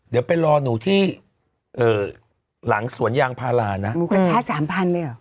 เดี๋ยวไปรอหนูที่เอ่อหลังสวนยางพารานะหมูกระทะสามพันเลยเหรอ